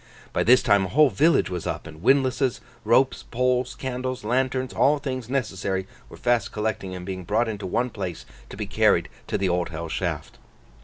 By this time a whole village was up: and windlasses, ropes, poles, candles, lanterns, all things necessary, were fast collecting and being brought into one place, to be carried to the Old Hell Shaft.